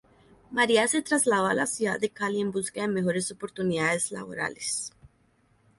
María se trasladó a la ciudad de Cali en busca de mejores oportunidades laborales.